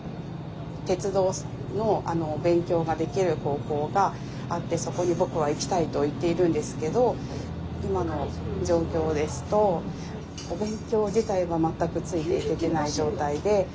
鉄道の勉強ができる高校があって「そこに僕は行きたい」と言っているんですけど今の状況ですとお勉強自体は全くついていけてない状態で。